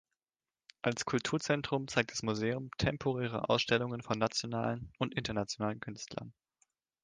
Als Kulturzentrum zeigt das Museum temporäre Ausstellungen von nationalen und internationalen Künstlern.